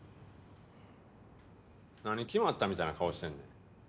何「決まった」みたいな顔してんねん。